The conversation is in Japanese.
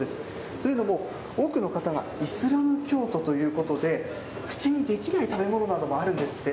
というのも、多くの方がイスラム教徒ということで、口にできない食べ物などもあるんですって。